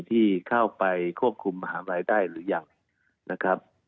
ที่เข้าไปควบคุมมหาวิทยาลัยได้หรือยังนะครับ